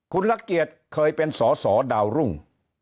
คุณละเกียจเคยเป็นสอสอดาวรุ่ง